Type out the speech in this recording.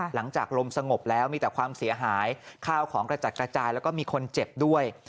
หลังจากลมสงบแล้วมีแต่ความเสียหายข้าวของกระจัดกระจายแล้วก็มีคนเจ็บด้วย